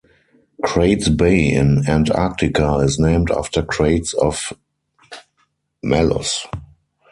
Crates Bay in Antarctica is named after Crates of Mallus.